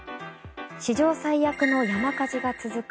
史上最悪の山火事が続く